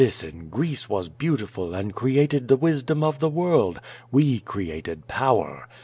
Listen. Greece was beautiful and created the wisdom of the world; we created power.